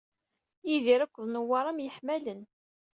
Yidir akked Newwara myeḥmalen.